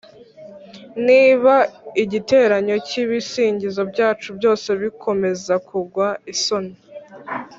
niba igiteranyo cyibisingizo byacu byose bikomeza kugwa isoni